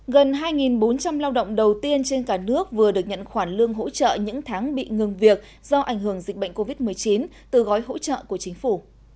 gần hai bốn trăm linh lao động đầu tiên trên cả nước vừa được nhận khoản lương hỗ trợ những tháng bị ngừng việc do ảnh hưởng dịch bệnh covid một mươi chín từ gói hỗ trợ của chính phủ